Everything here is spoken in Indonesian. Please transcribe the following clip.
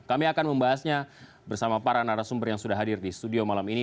kami akan membahasnya bersama para narasumber yang sudah hadir di studio malam ini